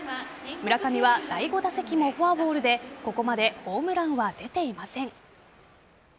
村上は第５打席もフォアボールでここまでホームランは出ていません。